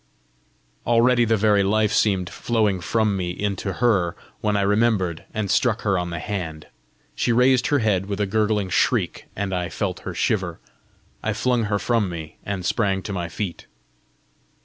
Already the very life seemed flowing from me into her, when I remembered, and struck her on the hand. She raised her head with a gurgling shriek, and I felt her shiver. I flung her from me, and sprang to my feet.